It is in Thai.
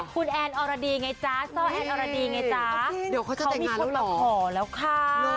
คุณแอนน์ออราดีไงจ๊ะเจ้าแอนน์ออราดีไงจ๊ะเขามีคนหลับห่อแล้วค่ะ